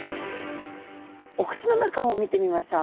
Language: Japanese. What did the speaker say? お口の中を見てみましょう。